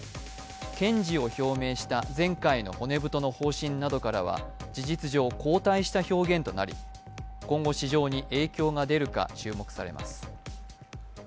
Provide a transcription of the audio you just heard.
堅持を表明した前回の骨太の方針などからは事実上後退した表現となり、今後市場に影響が出るか注目されます。